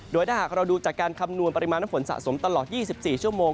โดยถ้าหากเราดูจากการคำนวณปริมาณน้ำฝนสะสมตลอด๒๔ชั่วโมง